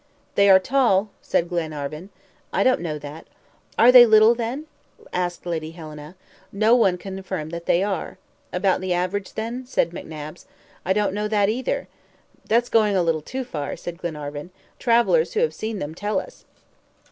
"They are tall," said Glenarvan. "I don't know that." "Are they little, then?" asked Lady Helena. "No one can affirm that they are." "About the average, then?" said McNabbs. "I don't know that either." "That's going a little too far," said Glenarvan. "Travelers who have seen them tell us."